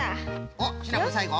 おっシナプーさいご？